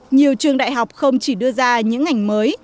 nhiều trường đại học không chỉ đưa ra những ngành mới